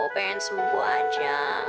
pengen sembuh aja